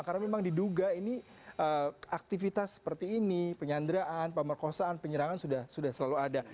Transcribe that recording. karena memang diduga ini aktivitas seperti ini penyanderaan pemerkosaan penyerangan sudah selalu ada